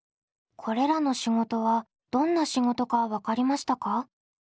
これらの仕事はどんな仕事か分かりましたか？